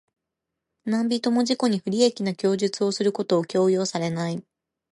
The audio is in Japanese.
何人（なんびと）も自己に不利益な供述をすることを強要されない。